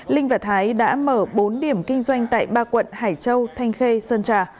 linh và thái đã mở bốn điểm kinh doanh tại ba quận hải châu thanh khê sơn trà